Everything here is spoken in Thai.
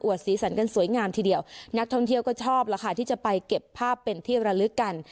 สีสันกันสวยงามทีเดียวนักท่องเที่ยวก็ชอบแล้วค่ะที่จะไปเก็บภาพเป็นที่ระลึกกัน